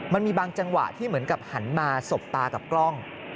มันมีบางจังหวะที่เหมือนกับหันมาสบตากับกล้อง